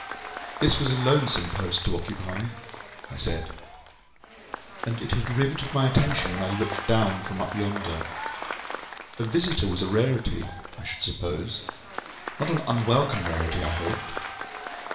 This was a lonesome post to occupy (I said), and it had riveted my attention when I looked down from up yonder. A visitor was a rarity, I should suppose; not an unwelcome rarity, I hoped?